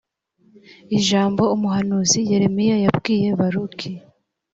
ijambo umuhanuzi yeremiya yabwiye baruki